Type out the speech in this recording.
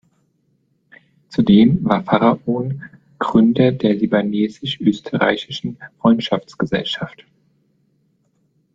Zudem war Pharaon Gründer der libanesisch-österreichischen Freundschaftsgesellschaft.